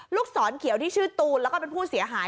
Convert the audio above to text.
ลูกศรเขียวที่ชื่อตูนแล้วก็เป็นผู้เสียหาย